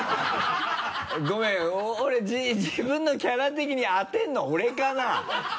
ごめん俺自分のキャラ的に当てるの俺かな？